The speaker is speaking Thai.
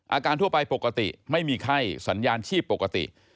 ทั่วไปปกติไม่มีไข้สัญญาณชีพปกติ